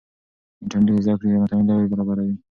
انټرنیټ د زده کړې متنوع لارې برابروي.